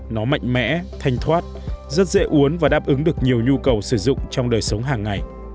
nó mạnh mẽ thanh thoát rất dễ uốn và đáp ứng được nhiều nhu cầu sử dụng trong đời sống hàng ngày